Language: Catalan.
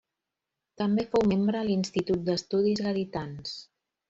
També fou membre l'Institut d'Estudis Gaditans.